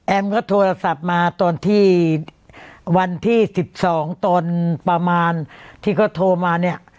ก็โทรศัพท์มาตอนที่วันที่๑๒ตอนประมาณที่เขาโทรมาเนี่ย